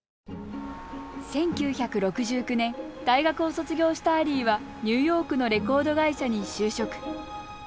１９６９年大学を卒業したアリーはニューヨークのレコード会社に就職。